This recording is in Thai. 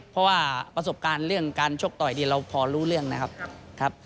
เพราะว่าประสบการณ์เรื่องการชกต่อยนี่เราพอรู้เรื่องนะครับ